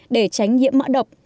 để tránh nhiễm mã độc